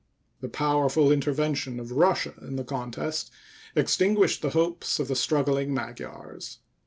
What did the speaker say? The powerful intervention of Russia in the contest extinguished the hopes of the struggling Magyars.